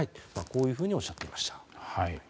こういうふうにおっしゃっていました。